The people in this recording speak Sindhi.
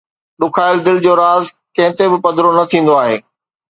ڏکايل دل جو راز ڪنهن تي به پڌرو نه ٿيندو آهي